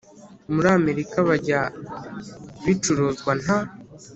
Muri amerika byajya bicuruzwa nta